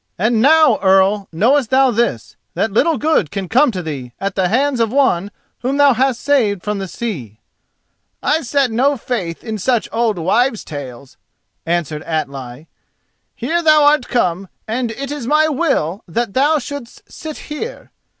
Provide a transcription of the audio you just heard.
"And now, Earl, knowest thou this: that little good can come to thee at the hands of one whom thou hast saved from the sea." "I set no faith in such old wives' tales," answered Atli. "Here thou art come, and it is my will that thou shouldest sit here.